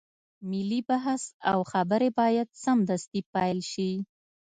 ملي بحث او خبرې بايد سمدستي پيل شي.